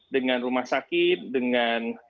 dengan rumah sakit dengan